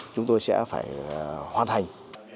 chúng tôi sẽ phải hoàn thành